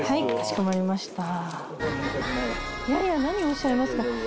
何をおっしゃいますか。